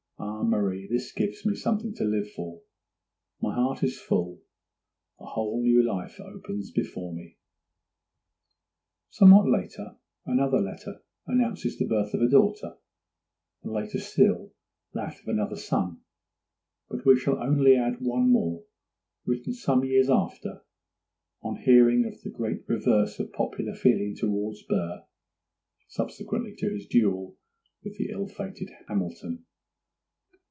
Ah, Marie, this gives me something to live for. My heart is full—a whole new life opens before me!' Somewhat later, another letter announces the birth of a daughter, and later still, that of another son; but we shall only add one more, written some years after, on hearing of the great reverse of popular feeling towards Burr, subsequently to his duel with the ill fated Hamilton.